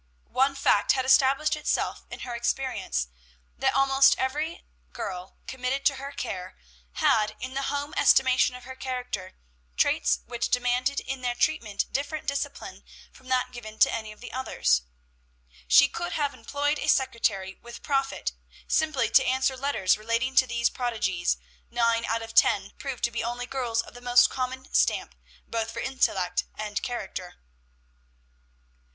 One fact had established itself in her experience, that almost every girl committed to her care had, in the home estimation of her character, traits which demanded in their treatment different discipline from that given to any of the others. She could have employed a secretary with profit, simply to answer letters relating to these prodigies, and nine out of ten proved to be only girls of the most common stamp, both for intellect and character.